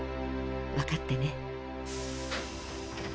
わかってね」。